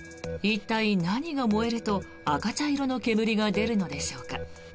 一体、何が燃えると赤茶色の煙が出るのでしょうか。